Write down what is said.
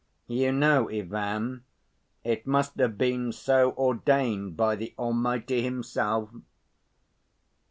You know, Ivan, it must have been so ordained by the Almighty Himself.